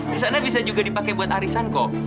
di sana bisa juga dipakai buat arisan kok